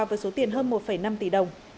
với số tiền hơn một năm tỷ đồng